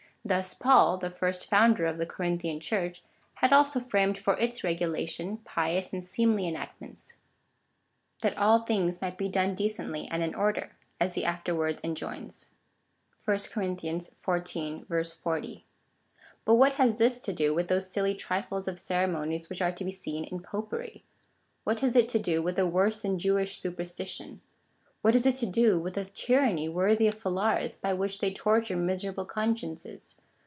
Thus Paul, the first founder of the Corinthian Church, had also framed for its regulation pious and seemly enactments — that all things might be done decently and in order, as he afterwards enjoins. (1 Cor. xiv. 40.) But what has this to do with those silly trifles of ceremonies, which are to be seen in Popery ?^ What has it to do with a worse than Jewish superstition ? What has it to do with a tyranny worthy of Phalaris,^ by which they torture miserable consciences